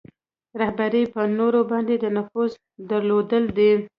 رهبري په نورو باندې د نفوذ درلودل دي.